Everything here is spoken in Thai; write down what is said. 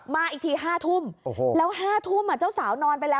มาอีกที๕ทุ่มแล้ว๕ทุ่มเจ้าสาวนอนไปแล้ว